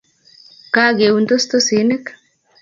Kageun tostosinik